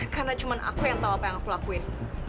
karena cuma aku yang tahu apa yang aku lakuin